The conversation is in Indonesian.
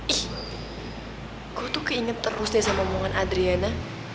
ih gue tuh keinget terus deh sama momen adriana